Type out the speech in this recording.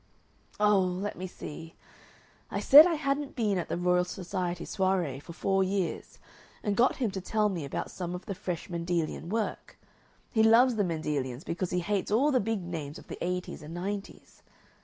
"Oh! let me see. I said I hadn't been at the Royal Society soiree for four years, and got him to tell me about some of the fresh Mendelian work. He loves the Mendelians because he hates all the big names of the eighties and nineties.